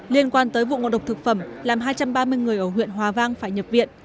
liên quan tới vụ ngộ độc thực phẩm làm hai trăm ba mươi người ở huyện hòa vang phải nhập viện